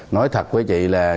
nói thật với chị là